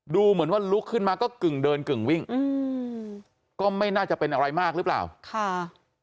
ดูเหมือนว่าลุกขึ้นมาก็กึ่งเดินกึ่งวิ่งอืมก็ไม่น่าจะเป็นอะไรมากหรือเปล่าค่ะ